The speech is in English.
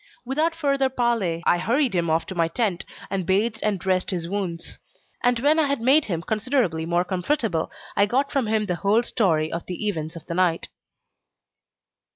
Without further parley, I hurried him off to my tent, and bathed and dressed his wounds; and when I had made him considerably more comfortable, I got from him the whole story of the events of the night.